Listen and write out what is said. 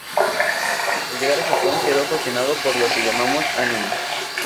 Al llegar a Japón, quedó fascinado por lo que llamamos anime.